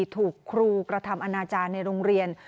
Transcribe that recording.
ถูกครูกระทำอนาจารย์ในโรงเรียน